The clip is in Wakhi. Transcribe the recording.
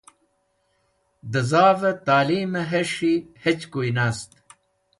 Dẽ zavẽ talimẽ hes̃hi hechkoy nast